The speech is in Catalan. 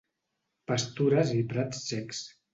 Pastures i prats secs.